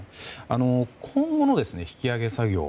今後の引き揚げ作業。